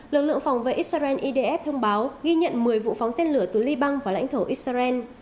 lực lượng phòng vệ israel idf thông báo ghi nhận một mươi vụ phóng tên lửa từ liban vào lãnh thổ israel